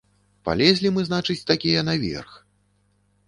Палезлі мы, значыць, такія наверх.